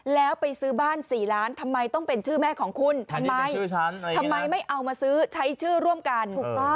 แล้วไปซื้อบ้าน๔ล้านทำไมต้องเป็นชื่อแม่ของคุณทำไมทำไมไม่เอามาซื้อใช้ชื่อร่วมกันถูกต้อง